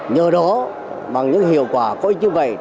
nhờ đó bằng những hiệu quả có ích như vậy